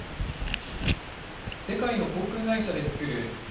世界の航空会社で作るＩＡＴＡ